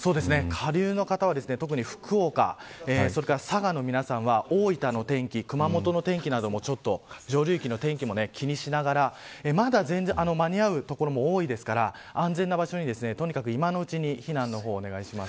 下流の方は特に福岡、佐賀の皆さんは大分の天気、熊本の天気も上流域の天気も気にしながらまだ間に合う所も多いですから安全な場所にとにかく今のうちに避難をお願いします。